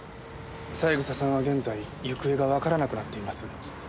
三枝さんは現在行方がわからなくなっています。